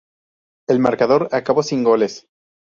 El marcador acabó sin goles.